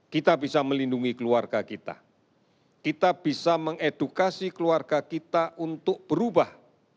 kita bisa melindungi keluarga kita kita bisa mengedukasi keluarga kita untuk berubah